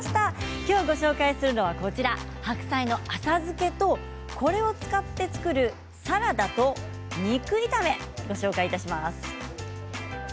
きょうご紹介するのは白菜の浅漬けとこれを使って作るサラダと肉炒め、ご紹介します。